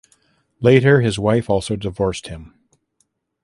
Later his wife also divorced him.